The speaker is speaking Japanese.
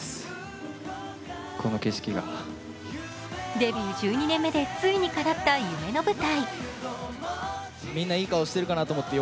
デビュー１２年目でついにかなった夢の舞台。